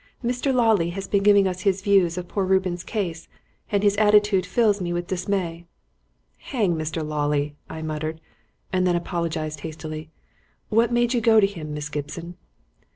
"Mr. Lawley has been giving us his views of poor Reuben's case, and his attitude fills me with dismay." "Hang Mr. Lawley!" I muttered, and then apologised hastily. "What made you go to him, Miss Gibson?"